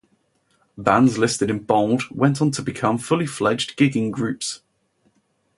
Bands listed in bold went on to become fully fledged gigging groups.